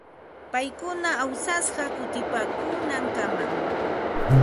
Paykuna awsashqa utipaakuunankamam.